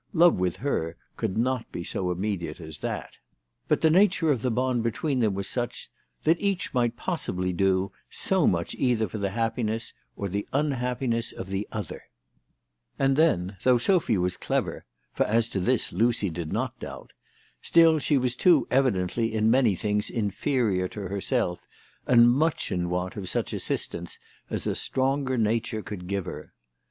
Cove with her could not be so immediate as that. But the nature of the bond between them was such, that each might possibly do so much either for the happiness, or the unhappiness of the other ! 272 THE TELEGRAPH GIRL. And then, though Sophy was clever, for as to this Lucy did not doubt,' still she was too evidently in many things inferior to herself, and much in want of such assistance as a stronger nature could give her.